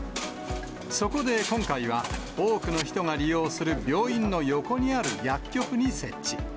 そこで今回は、多くの人が利用する病院の横にある薬局に設置。